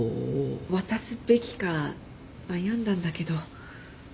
渡すべきか悩んだんだけど。